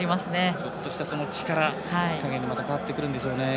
ちょっとした力加減にも関わってくるんでしょうね。